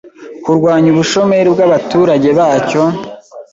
kurwanya ubushomeri bw’abaturage bacyo,